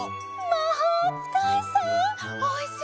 まほうつかいさんおいしいわ。